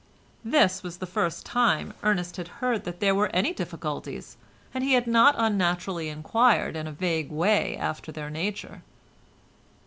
This was the first time Ernest had heard that there were any difficulties, and he not unnaturally enquired in a vague way after their nature.